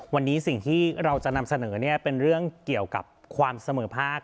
วันนี้สิ่งที่เราจะนำเสนอเป็นเรื่องเกี่ยวกับความเสมอภาค